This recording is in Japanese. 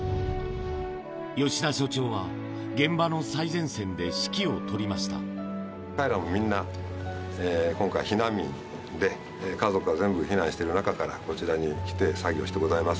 吉田所長は現場の最前線で指揮を彼らもみんな、今回、避難民で、家族が全部避難している中から、こちらに来て作業してございます。